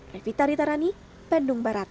revita ritarani bandung barat